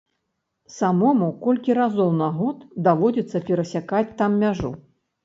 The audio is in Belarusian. Самому колькі разоў на год даводзіцца перасякаць там мяжу.